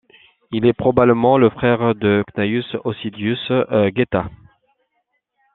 Il est probablement le frère de Cnaeus Hosidius Geta.